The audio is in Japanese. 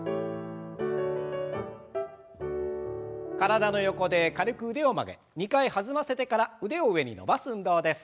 体の横で軽く腕を曲げ２回弾ませてから腕を上に伸ばす運動です。